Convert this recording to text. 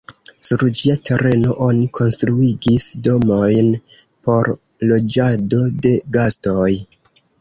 Sur ĝia tereno oni konstruigis domojn por loĝado de gastoj.